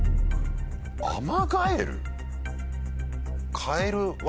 アマガエル？